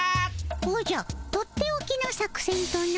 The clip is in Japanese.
おじゃとっておきの作戦とな？